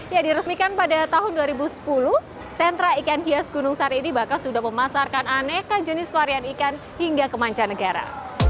ya diresmikan pada tahun dua ribu sepuluh sentra ikan hias gunung sari ini bahkan sudah memasarkan aneka jenis varian ikan hingga kemanca negara